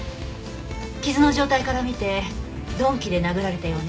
傷の状態から見て鈍器で殴られたようね。